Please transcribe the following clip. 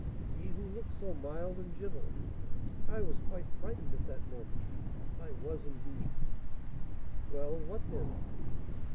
he who looked so mild and gentle! I was quite frightened at that moment; I was, indeed " "Well, what then?"